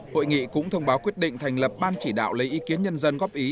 hội nghị cũng thông báo quyết định thành lập ban chỉ đạo lấy ý kiến nhân dân góp ý